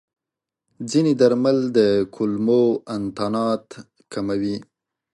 ځینې درمل د کولمو انتانات کموي.